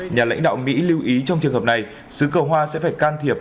nhà lãnh đạo mỹ lưu ý trong trường hợp này xứ cầu hoa sẽ phải can thiệp